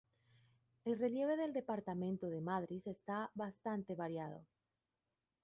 El relieve del Departamento de Madriz es bastante variado.